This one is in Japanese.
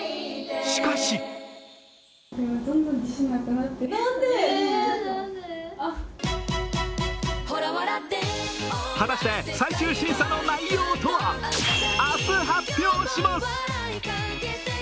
しかし果たして、最終審査の内容とは？明日発表します。